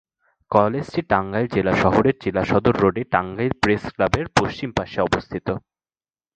কলেজটি টাঙ্গাইল জেলা শহরের জেলা সদর রোডে টাঙ্গাইল প্রেস ক্লাবের পশ্চিম পার্শ্বে অবস্থিত।